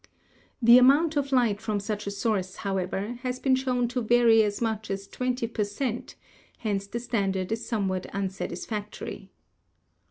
The amount of light from such a source, however, has been shown to vary as much as 20 per cent., hence the standard is some what unsatisfactory.